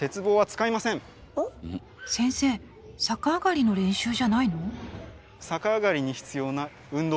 逆上がりの練習じゃないの？